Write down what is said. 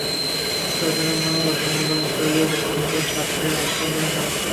আজকের অর্জনের জন্য কথা হলো মুস্তাফিজের প্রথম কোচ সাতক্ষীরার আলতাফ হোসেনের সঙ্গে।